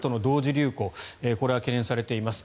流行これが懸念されています。